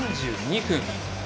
３２分。